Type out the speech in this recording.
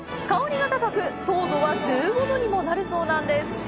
香りが高く、糖度は１５度にもなるそうなんです。